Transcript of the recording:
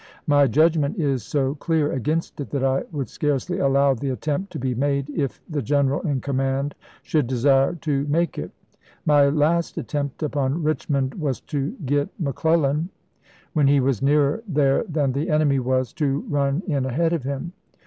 My judgment is so clear against it, that I would scarcely allow the attempt to be made if the general in command should desire to make it. My last attempt upon Richmond was to get Mc Clellan, when he was nearer there than the enemy was, to run in ahead of him.